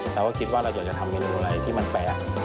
เราก็คิดว่าเราอยากจะทำเมนูอะไรที่มันแปลก